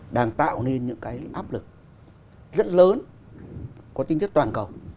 đang tạo nên những cái áp lực rất lớn có tinh chất toàn cầu